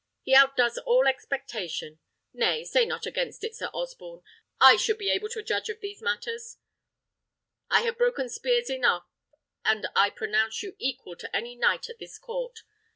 He outdoes all expectation; nay, say not against it, Sir Osborne; I should be able to judge of these matters: I have broken spears enow, and I pronounce you equal to any knight at this court.